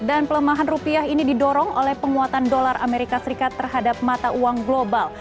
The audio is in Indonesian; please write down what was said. dan pelemahan rupiah ini didorong oleh penguatan dolar amerika serikat terhadap mata uang global